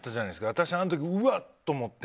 私はあの時、うわっと思って。